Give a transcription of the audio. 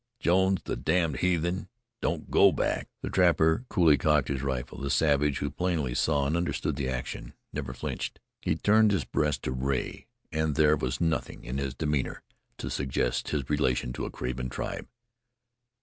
Jones, the damned heathen don't go back!" The trapper coolly cocked his rifle. The savage, who plainly saw and understood the action, never flinched. He turned his breast to Rea, and there was nothing in his demeanor to suggest his relation to a craven tribe.